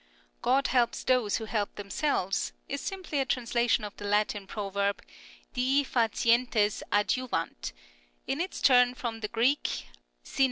" God helps those who help themselves " is simply a transla tion of the Latin proverb " Dii facientes adju vant," in its turn from the Greek avv A.